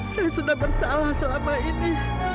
saya sudah bersalah selama ini